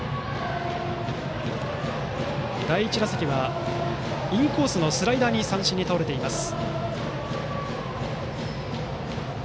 第１打席はインコースのスライダーで三振に倒れています。